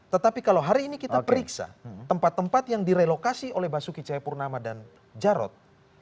tetapi kalau hari ini kita periksa tempat tempat yang direlokasi oleh basuki cahayapurnama dan jarod